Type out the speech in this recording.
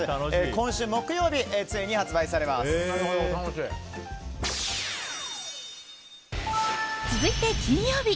今週木曜日続いて金曜日。